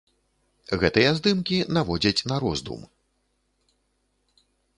Гэтыя здымкі наводзяць на роздум.